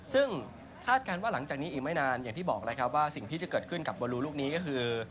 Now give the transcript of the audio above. ซึ่งคาดการณ์ว่าหลังจากนี้อีกไม่นานอย่างที่บอกแล้วครับว่าสิ่งที่จะเกิดขึ้นกับบอลลูลูกนี้ก็คือ